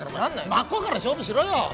真っ向から勝負しろよ！